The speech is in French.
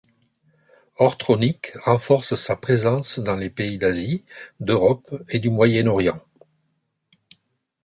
Ortronics renforce sa présence dans les pays d'Asie, d'Europe et du Moyen-Orient.